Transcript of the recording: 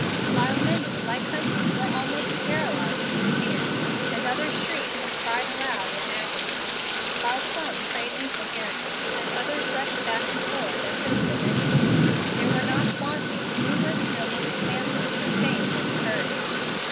While many, like Hunting, were almost paralyzed with fear, and others shrieked and cried aloud in agony while some prayed incoherently, and others rushed back and forth as if demented there were not wanting numerous noble examples of faith and courage.